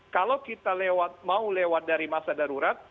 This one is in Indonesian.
kalau kita mau lewat dari masa darurat